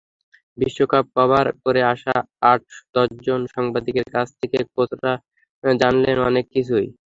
বিশ্বকাপ কাভার করে আসা আট-দশজন সাংবাদিকের কাছ থেকে কোচরা জানলেন অনেক কিছুই।